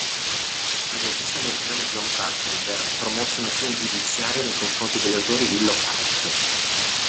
Il regista americano John Carpenter promosse un'azione giudiziaria nei confronti degli autori di "Lockout".